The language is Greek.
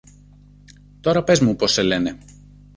Τώρα πες μου πώς σε λένε.